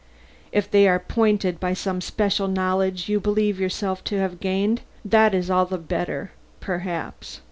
"If they are pointed by some special knowledge you believe yourself to have gained, that is all the better perhaps.